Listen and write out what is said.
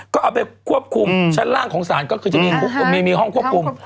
ก็เอาไปควบคุมชั้นล่างของศาลก็คือจะมีห้องควบคุม